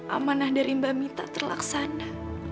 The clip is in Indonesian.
amanah dari mbak mita terlaksana